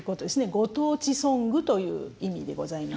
ご当地ソングという意味でございます。